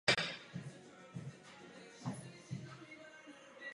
Po ukončení závodní činnosti působil jako rozhodčí a předseda Švédské jezdecké asociace.